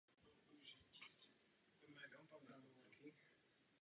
Začtvrté, existují určité problémy týkající se řešení výsledku těchto výkyvů.